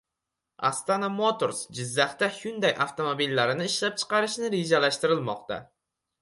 “Astana Motors” Jizzaxda “Hyundai” avtomobillarini ishlab chiqarishni rejalashtirmoqda